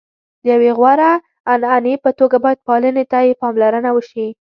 د یوې غوره عنعنې په توګه باید پالنې ته یې پاملرنه وشي.